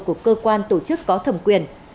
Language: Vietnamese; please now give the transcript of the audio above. của cơ quan tổ chức có thẩm quyền